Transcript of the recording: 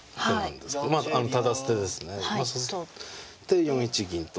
で４一銀と。